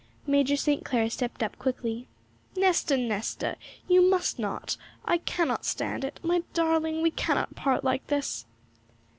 Major St. Clair stepped up quickly. 'Nesta, Nesta, you must not! I cannot stand it! My darling, we cannot part like this!'